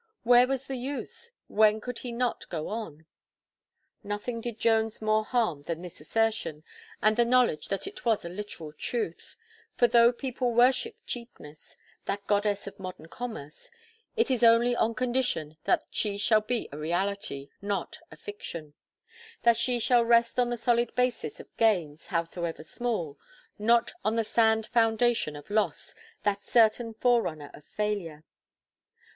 "Where was the use, when he could not go on?" Nothing did Jones more harm than this assertion, and the knowledge that it was a literal truth; for though people worship cheapness, that goddess of modern commerce, it is only on condition that she shall be a reality, not a fiction; that she shall rest on the solid basis of gains, howsoever small; not on the sand foundation of loss, that certain forerunner of failure.